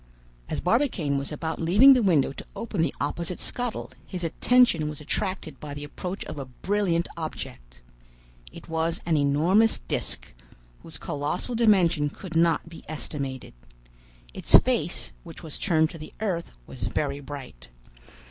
"As Barbicane was about leaving the window to open the opposite scuttle, his attention was attracted by the approach of a brilliant object. It was an enormous disc, whose colossal dimension could not be estimated. Its face, which was turned to the earth, was very bright.